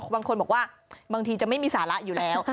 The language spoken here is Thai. บางคนบอกว่าบางทีจะไม่มีสาระอยู่แล้ว